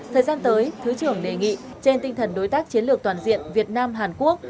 thời gian tới thứ trưởng đề nghị trên tinh thần đối tác chiến lược toàn diện việt nam hàn quốc